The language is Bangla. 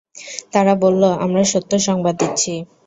তারা বলল, আমরা সত্য সংবাদ দিচ্ছি।